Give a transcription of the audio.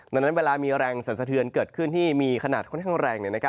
ดังนั้นเวลามีแรงสันสะเทือนเกิดขึ้นที่มีขนาดค่อนข้างแรง